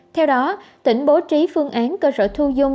theo đó tỉnh bố trí phương án cơ sở thu dung